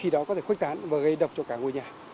nó sẽ khuếch tán và gây độc cho cả ngôi nhà